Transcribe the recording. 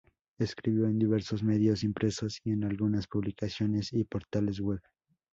Escribió en diversos medios impresos y en algunas publicaciones y portales web.